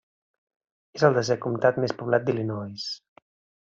És el desè comtat més poblat d'Illinois.